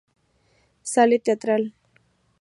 Sala teatral.